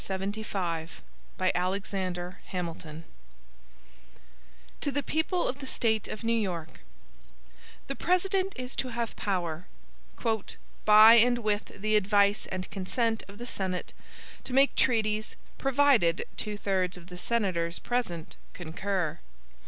Wednesday, March 26, 1788 HAMILTON To the People of the State of New York: THE President is to have power, "by and with the advice and consent of the Senate, to make treaties, provided two thirds of the senators present concur."